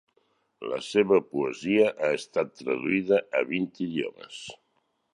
La seva poesia ha estat traduïda a vint idiomes.